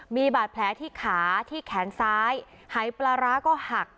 มีบาดแผลที่ขาที่แขนซ้ายหายปลาร้าก็หัก